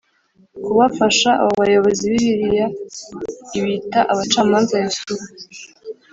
Kubafasha abo bayobozi bibiliya ibita abacamanza yosuwa